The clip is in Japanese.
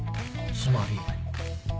つまり？